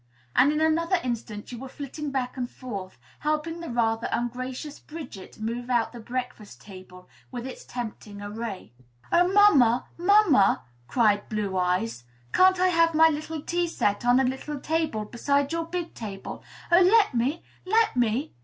And in another instant you were flitting back and forth, helping the rather ungracious Bridget move out the breakfast table, with its tempting array. "Oh, mamma, mamma," cried Blue Eyes, "can't I have my little tea set on a little table beside your big table? Oh, let me, let me!"